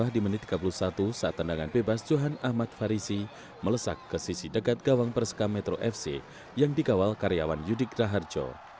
di menit tiga puluh satu saat tendangan bebas johan ahmad farisi melesak ke sisi dekat gawang perseka metro fc yang dikawal karyawan yudik raharjo